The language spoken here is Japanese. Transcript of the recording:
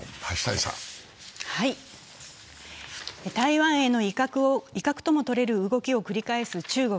台湾への威嚇ともとれる動きをする中国。